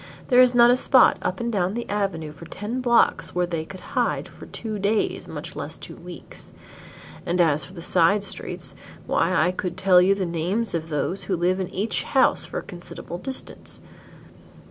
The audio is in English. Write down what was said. There is not a spot up and down the Avenue for ten blocks where they could hide away for two days much less two weeks. And as for the side streets, why I could tell you the names of those who live in each house for a considerable distance.